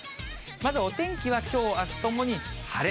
まずお天気は、きょう、あすともに晴れ。